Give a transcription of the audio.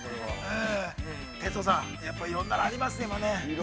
哲夫さん、いろんなものがありますね。